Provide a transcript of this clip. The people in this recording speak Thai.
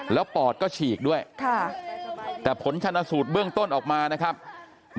แล้วปอดก็ฉีกด้วยแต่ผลชนสูตรเบื้องต้นออกมานะครับ